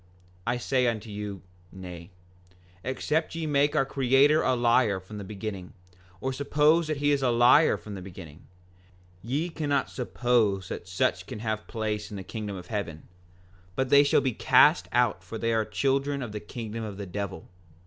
5:25 I say unto you, Nay; except ye make our Creator a liar from the beginning, or suppose that he is a liar from the beginning, ye cannot suppose that such can have place in the kingdom of heaven; but they shall be cast out for they are the children of the kingdom of the devil.